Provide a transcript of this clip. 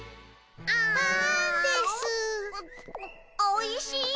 おいしい。